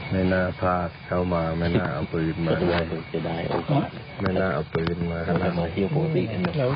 ไม่น่าพาเข้ามาเป็นมันบันไม่น่าเอาตัวยึดมา